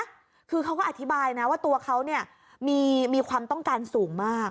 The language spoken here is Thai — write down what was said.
คือเขาก็อธิบายนะว่าตัวเขาเนี่ยมีความต้องการสูงมาก